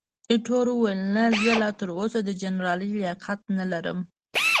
ایټور وویل، نه، زه لا تراوسه د جنرالۍ لیاقت نه لرم.